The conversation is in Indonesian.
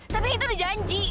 tapi itu di janji